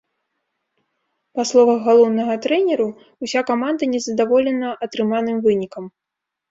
Па словах галоўнага трэнеру ўся каманда незадаволена атрыманым вынікам.